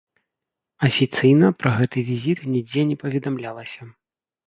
Афіцыйна пра гэты візіт нідзе не паведамлялася.